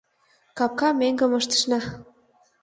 Капка меҥгым ыштышна.